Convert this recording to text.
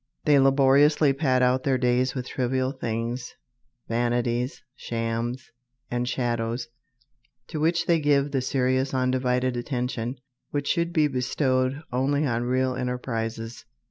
They laboriously pad out their days with trivial things, vanities, shams, and shadows, to which they give the serious undivided attention which should be bestowed only on real enterprises.